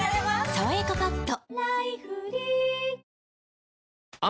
「さわやかパッド」